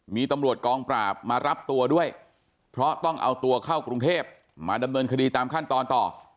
มีตำรวจกองปราบมารับตัวด้วยเพราะต้องเอาตัวเข้ากรุงเทพมาดำเนินคดีตามขั้นตอนต่อ